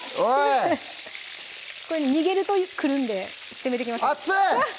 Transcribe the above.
これ逃げると来るんで攻めていきましょう熱い！